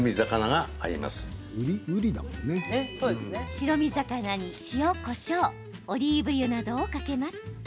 白身魚に塩、こしょうオリーブ油などをかけます。